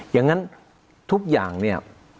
อย่างนั้นทุกอย่างเนี่ย